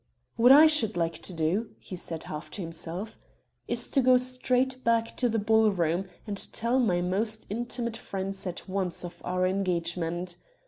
"What I should like to do," he said half to himself, "is to go straight back to the ball room, and tell my most intimate friends at once of our engagement!"